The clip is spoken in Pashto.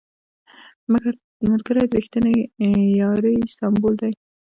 ملګری د رښتینې یارۍ سمبول دی